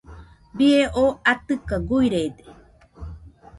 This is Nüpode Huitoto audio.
Bie oo atɨka guirede.